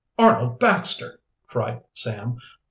"Arnold Baxter!" cried Sam.